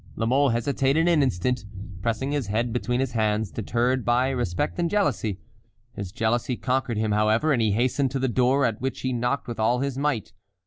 La Mole hesitated an instant, pressing his head between his hands, deterred by respect and jealousy. His jealousy conquered him, however, and he hastened to the door, at which he knocked with all his might.